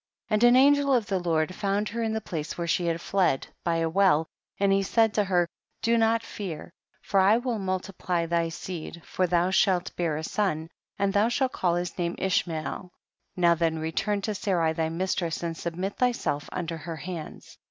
34. And an angel of the Lord found her in the place where she had fled, by a well, and he said to her, do not fear, for I will multiply thy seed, for thou shalt bear a son and thou shalt call his name Ishmael ,' now then remrn to Sarai thy mistress and submit thyself under her hands.